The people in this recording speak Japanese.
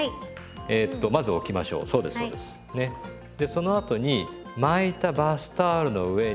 そのあとに巻いたバスタオルの上に。